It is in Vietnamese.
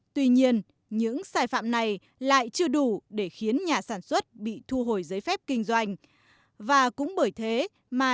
tuy nhiên những sai phạm này lại chưa đủ để khiến nhà sản xuất bị đánh giá